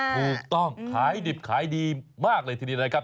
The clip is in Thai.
ถูกต้องขายดิบขายดีมากเลยทีเดียวนะครับ